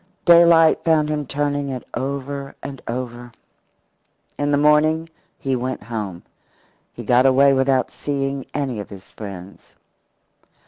Daylight found him turning it over and over. In the morning he went home. He got away without seeing any of his friends.